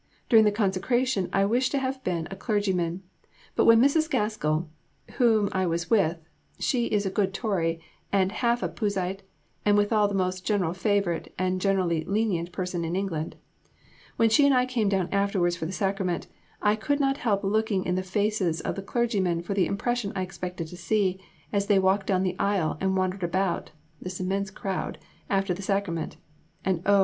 During the consecration I wished to have been a clergyman, but when Mrs. Gaskell (whom I was with, she is a good Tory and half a Puseyite and withal the most general favourite and generally lenient person in England) when she and I came down afterwards for the Sacrament, I could not help looking in the faces of the clergymen, for the impression I expected to see, as they walked down the aisle, and wandered about, (this immense crowd) after the Sacrament and oh!